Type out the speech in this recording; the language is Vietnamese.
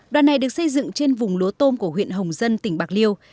đoạn này được xây dựng trên vùng lúa tôm của huyện hồng dân tỉnh bạc liêu